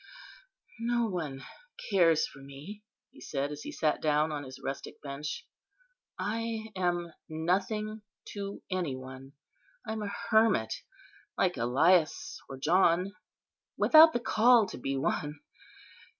"No one cares for me," he said, as he sat down on his rustic bench. "I am nothing to any one; I am a hermit, like Elias or John, without the call to be one.